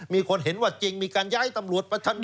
มีคนเห็นว่าจริงมีการย้ายตำรวจ